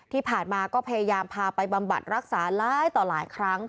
ที่ผ่านมาก็พยายามพาไปบำบัดรักษาร้ายต่อหลายครั้ง